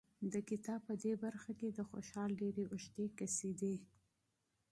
د کتاب په دې برخه کې د خوشحال ډېرې اوږې قصیدې